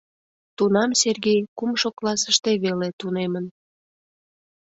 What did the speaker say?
Тунам Сергей кумшо классыште веле тунемын.